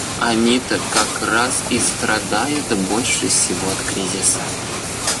Они-то как раз и страдают больше всего от кризиса.